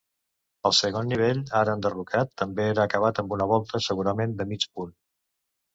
El segon nivell, ara enderrocat, també era acabat amb una volta, segurament de mig punt.